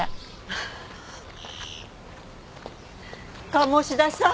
鴨志田さん